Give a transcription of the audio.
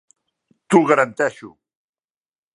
T'ho garanteixo.